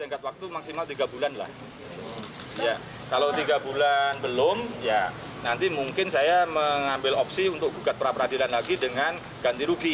kalau tiga bulan belum ya nanti mungkin saya mengambil opsi untuk gugat peradilan lagi dengan ganti rugi